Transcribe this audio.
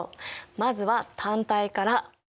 まずは単体から。